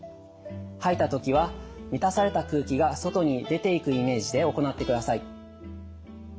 吐いた時は満たされた空気が外に出ていくイメージで行ってください。